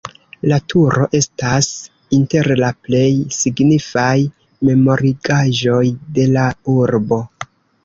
La turo estas inter la plej signifaj memorigaĵoj de la urbo.